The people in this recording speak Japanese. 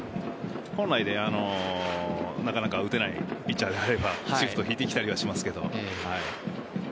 本来ではなかなか打てないピッチャーであればシフトを敷いてきたりはしますけど。